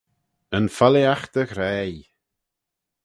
Yn folleeaght dy ghraih.